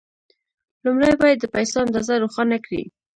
لومړی باید د پيسو اندازه روښانه کړئ.